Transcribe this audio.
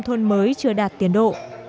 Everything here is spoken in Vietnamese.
thôn mới chưa đạt tiền độ